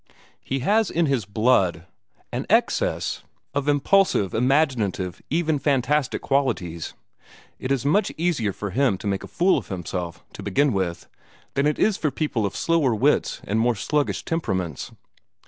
He has in his blood an excess of impulsive, imaginative, even fantastic qualities. It is much easier for him to make a fool of himself, to begin with, than it is for people of slower wits and more sluggish temperaments.